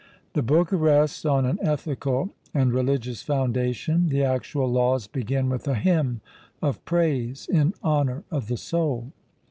The book rests on an ethical and religious foundation: the actual laws begin with a hymn of praise in honour of the soul.